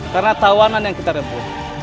karena tawanan yang kita dapat